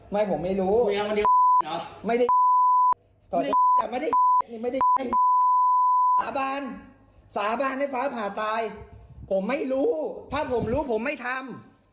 สาบานสาบานให้ฟ้าผ่าตายผมไม่รู้ถ้าผมรู้ผมไม่ทำ